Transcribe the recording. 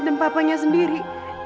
dan papanya sendiri